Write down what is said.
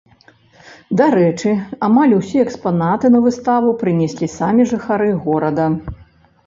Дарэчы, амаль усе экспанаты на выставу прынеслі самі жыхары горада.